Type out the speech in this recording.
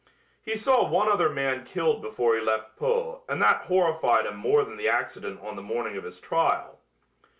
He saw one other man killed before he left Pau and that horrified him more than the accident on the morning of his trial.